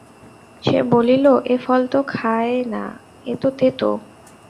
সে বলিল -এ ফল তো খায না, এ তো তেতো।